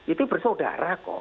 itu bersaudara kok